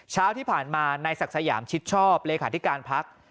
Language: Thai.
เช้าที่ผ่านมานายศักดิ์สยามชิดชอบเลขาธิการพัก